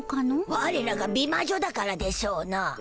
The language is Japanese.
ワレらが美まじょだからでしょうな。